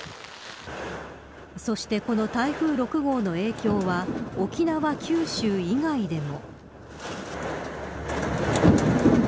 そして、この台風６号の影響は沖縄、九州以外でも。